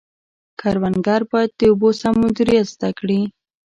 کروندګر باید د اوبو سم مدیریت زده کړي.